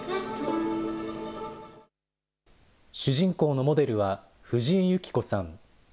主人公のモデルは藤井幸子さん。